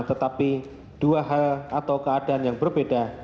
tetapi dua hal atau keadaan yang berbeda